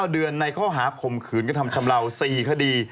๓๙เดือนในข้อหาคมขืนก็ทำชำระว๔คดี